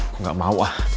aku gak mau ah